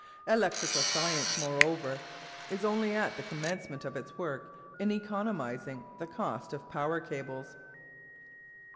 Electrical science, moreover, is only at the commencement of its work in economising the cost of power cables.